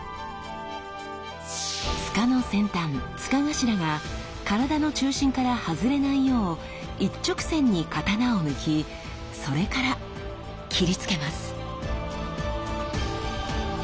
柄の先端柄頭が体の中心から外れないよう一直線に刀を抜きそれから斬りつけます。